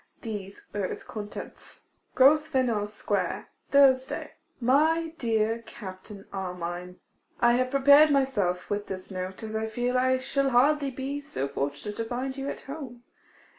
These were its contents: 'Grosvenor square, Thursday. 'My Dear Captain Armine, 'I have prepared myself with this note, as I fear I shall hardly be so fortunate as to find you at home.